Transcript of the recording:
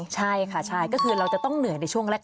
ใช่ค่ะใช่ก็คือเราจะต้องเหนื่อยในช่วงแรก